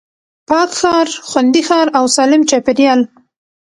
پاک ښار، خوندي ښار او سالم چاپېريال